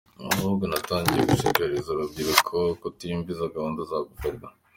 Ahubwo natangiye gushishikariza urubyiruko kutumvira izo gahunda za guverinoma.